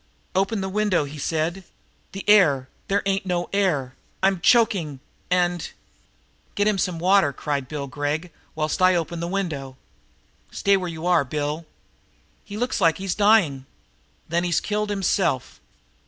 "Open the window," he said. "The air there ain't no air. I'm choking and " "Get him some water," cried Bill Gregg, "while I open the window." "Stay where you are, Bill." "But he looks like he's dying!" "Then he's killed himself."